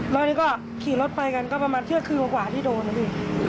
แล้วนี่ก็ขี่รถไปกันก็ประมาณเที่ยงคืนกว่าที่โดนนะพี่